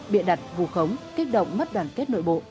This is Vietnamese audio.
biện đặt vụ khống kết động mất đoàn kết nội bộ